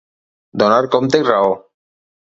Donar compte i raó.